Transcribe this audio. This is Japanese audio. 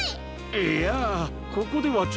いやここではちょっと。